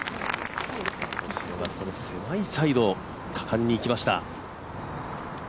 星野がこの狭いサイド果敢にいきました。